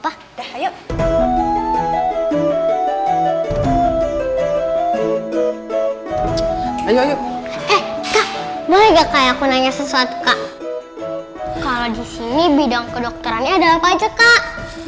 hai ayo ayo boleh nggak kayaknya sesuatu kak kalau disini bidang kedokteran ada apa aja kak